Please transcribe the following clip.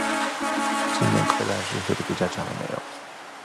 今年科大讯飞的股价涨了没有？